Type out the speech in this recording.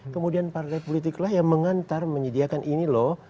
kemudian partai politiklah yang mengantar menyediakan ini loh